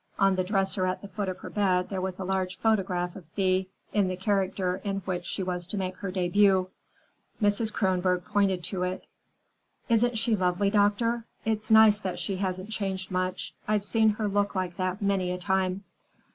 On the dresser at the foot of her bed there was a large photograph of Thea in the character in which she was to make her debut. Mrs. Kronborg pointed to it. "Isn't she lovely, doctor? It's nice that she hasn't changed much. I've seen her look like that many a time."